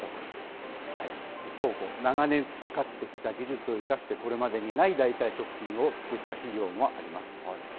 一方、長年培ってきた技術を生かして、これまでにない代替食品を作った企業もあります。